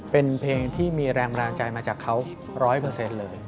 เป็นเพลงที่มีแรงบันดาลใจมาจากเขา๑๐๐เลย